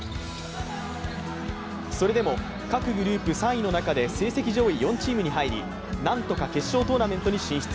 それでも各グループ３位の中で成績上位４チームに入り何とか決勝トーナメントに進出。